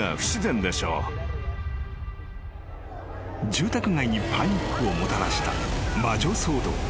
［住宅街にパニックをもたらした魔女騒動］